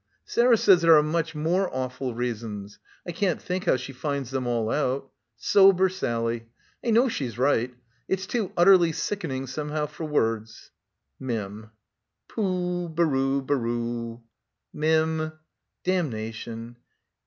"Sarah says there are much more awful reasons. I can't think how she finds them all out. Sober Sally. I know she's right. It's too utterly sickening somehow, for words." "Mim." "Pooh — barooo, baroooo" "Mim " "Damnation."